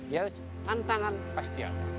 ya tantangan pasti ada